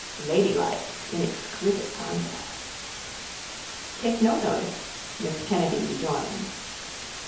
Ladylike in exquisite contrast. —Take no notice, miss Kennedy rejoined.